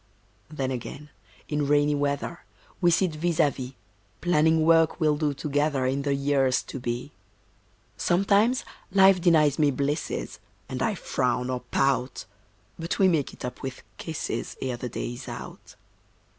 Then again, in rainy weather, We sit vis à vis, Planning work we'll do together In the years to be. Sometimes Life denies me blisses, And I frown or pout; But we make it up with kisses Ere the day is out.